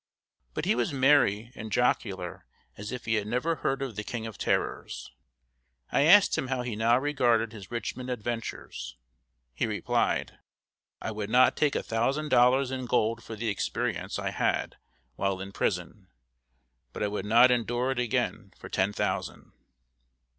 But he was merry and jocular as if he had never heard of the King of Terrors. I asked him how he now regarded his Richmond adventures. He replied: "I would not take a thousand dollars in gold for the experience I had while in prison; but I would not endure it again for ten thousand."